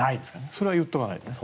それは言っておかないとね。